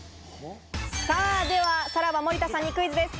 さぁでは、さらば・森田さんにクイズです。